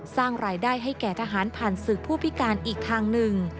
สร้างรายได้ให้แก่ทหารผ่านศึกผู้พิการอีกทางหนึ่ง